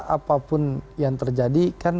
apapun yang terjadi kan